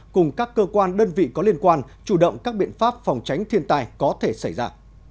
cùng các cơ quan đơn vị có liên quan chủ động các biện pháp phòng tránh thiên tai có thể xảy ra